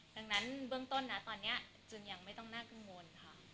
ดังนั้นเบื้องต้นนะตอนนี้จึงยังไม่ต้องน่ากังวลค่ะ